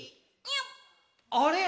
「あれ！